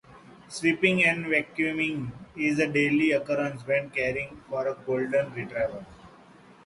Sweeping and vacuuming is a daily occurrence when caring for a golden retriever.